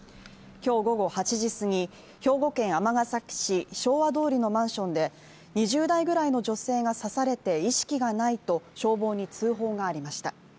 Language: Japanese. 今日午後８時過ぎ兵庫県尼崎市昭和通のマンションで２０代ぐらいの女性が刺されて意識がないと消防に通報がありました。